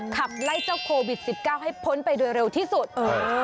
ขับไล่เจ้าโควิดสิบเก้าให้พ้นไปเร็วที่สุดเออ